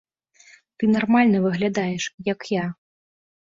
Ты нармальна выглядаеш, як я!